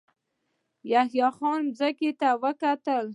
يحيی خان ځمکې ته وکتل.